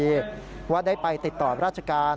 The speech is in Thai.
และก็ได้ไปติดต่อรัชการ